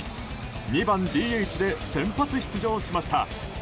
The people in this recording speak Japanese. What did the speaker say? ２番ＤＨで先発出場しました。